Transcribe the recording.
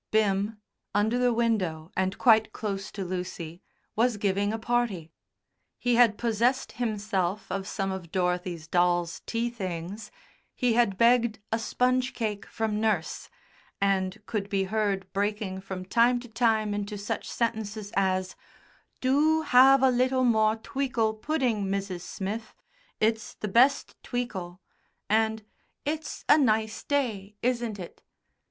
Bim, under the window and quite close to Lucy, was giving a party. He had possessed himself of some of Dorothy's dolls' tea things, he had begged a sponge cake from nurse, and could be heard breaking from time to time into such sentences as, "Do have a little more tweacle pudding, Mrs. Smith. It's the best tweacle," and, "It's a nice day, isn't it!"